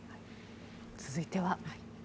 続いては。